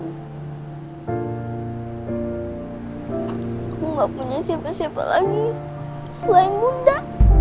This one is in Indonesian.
aku nggak punya siapa siapa lagi selain bunda